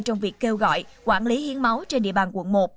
trong việc kêu gọi quản lý hiến máu trên địa bàn quận một